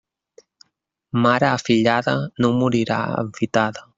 Mare afillada no morirà enfitada.